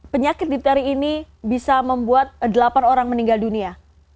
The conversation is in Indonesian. penyakit dipteri ini bisa membuat delapan orang meninggal dunia